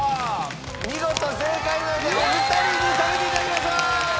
見事正解なのでお二人に食べていただきましょう！